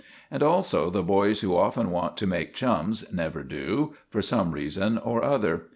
And also the boys who often want to make chums never do, for some reason or other.